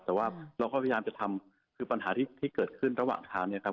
แต่ว่าเราก็พยายามจะทำคือปัญหาที่เกิดขึ้นระหว่างทางเนี่ยครับ